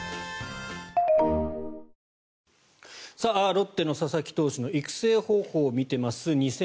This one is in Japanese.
ロッテの佐々木投手の育成方法を見ています。